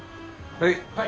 はい。